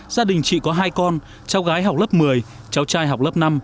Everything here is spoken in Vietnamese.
gia đình chị có hai con cháu gái học lớp một mươi cháu trai học lớp năm